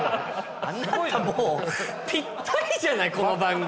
あなたもうぴったりじゃないこの番組。